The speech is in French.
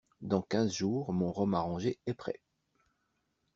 Dans quinze jours, mon rhum arrangé est prêt.